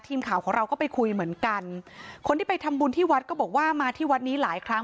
ทีมข่าวของเราก็ไปคุยเหมือนกันคนที่ไปทำบุญที่วัดก็บอกว่ามาที่วัดนี้หลายครั้ง